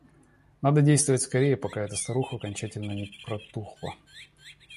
Надо действовать скорее, пока эта старуха окончательно не протухла.